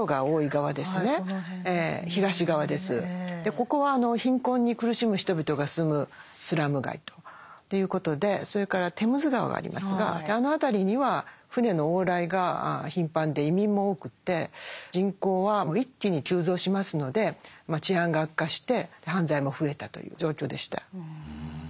ここは貧困に苦しむ人々が住むスラム街ということでそれからテムズ川がありますがあの辺りには船の往来が頻繁で移民も多くて人口は一気に急増しますので治安が悪化して犯罪も増えたという状況でした。